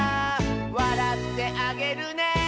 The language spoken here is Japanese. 「わらってあげるね」